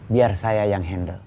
biar saya yang handle